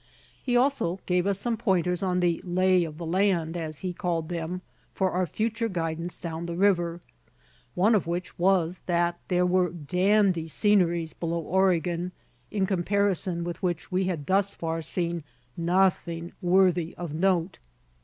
He also gave us some "pointers on the lay o' the land," as he called them, for our future guidance down the river, one of which was that there were "dandy sceneries" below Oregon, in comparison with which we had thus far seen nothing worthy of note.